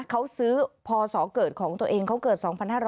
เขาซื้อพศเกิดของตัวเองเขาเกิด๒๕๖๐